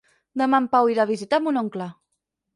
Demà en Pau irà a visitar mon oncle.